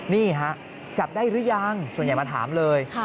นี่ฮะจับได้หรือยังส่วนใหญ่มาถามเลย